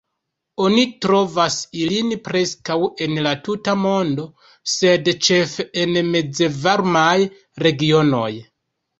Oni trovas ilin preskaŭ en la tuta mondo, sed ĉefe en mezvarmaj regionoj.